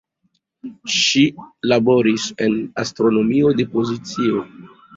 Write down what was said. Ŝi laboris en astronomio de pozicio.